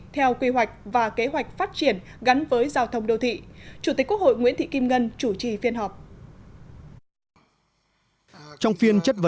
theo quy hoạch và kế hoạch phát triển gắn với giao thông đô thị chủ tịch quốc hội nguyễn thị kim ngân chủ trì phiên họp